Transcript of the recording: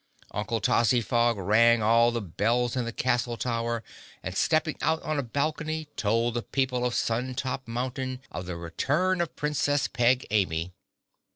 Uncle Tozzyfog rang all the bells in the castle tower and stepping out on a balcony told the people of Sun Top Mountain of the return of Princess Peg Amy.